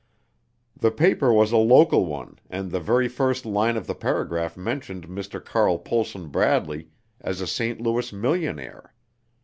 The paper was a local one, and the very first line of the paragraph mentioned Mr. Carl Pohlson Bradley as a St. Louis millionaire.